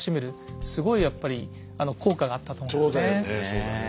そうだね。